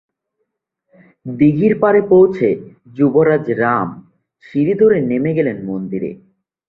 দীঘির পাড়ে পৌঁছে যুবরাজ রাম সিঁড়ি ধরে নেমে গেলেন মন্দিরে।